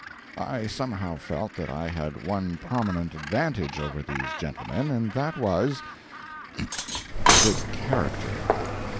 I somehow felt that I had one prominent advantage over these gentlemen, and that was good character.